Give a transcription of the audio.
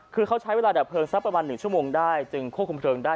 คือเขาใช้เวลาดับเพลิงสักประมาณ๑ชั่วโมงได้จึงควบคุมเพลิงได้